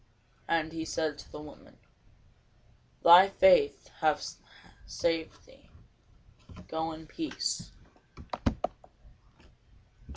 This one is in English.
And he said to the woman, Thy faith hath saved thee; go in peace.